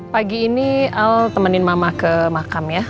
pagi ini al temenin mama ke makam ya